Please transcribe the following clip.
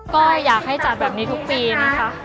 ก็อยากให้จัดแบบนี้ทุกปีนะคะ